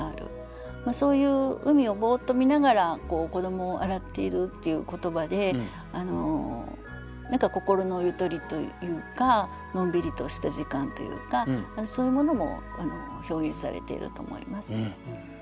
そういう海をボーッと見ながら子どもを洗っているっていう言葉で何か心のゆとりというかのんびりとした時間というかそういうものも表現されていると思います。